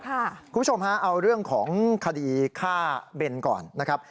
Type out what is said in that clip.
คุณผู้ชมฮะเอาเรื่องของคดีฆ่าเบนก่อนนะครับ